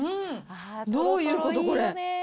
どういうこと、これ。